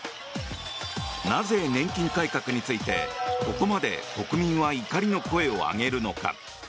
なぜ、年金改革についてここまで国民は怒りの声を上げるのか。